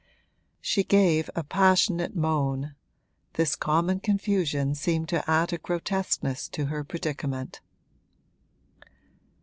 She gave a passionate moan this common confusion seemed to add a grotesqueness to her predicament.